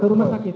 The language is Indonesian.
ke rumah sakit